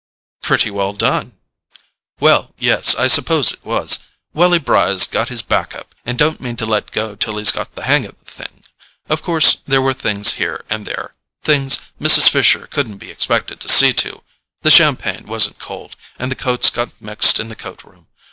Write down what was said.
"Pretty well done—well, yes, I suppose it was: Welly Bry's got his back up and don't mean to let go till he's got the hang of the thing. Of course, there were things here and there—things Mrs. Fisher couldn't be expected to see to—the champagne wasn't cold, and the coats got mixed in the coat room.